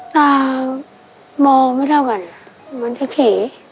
ตามองไม่เท่ากันมันจะเข